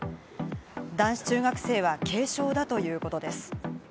男子中学生は軽傷だということです。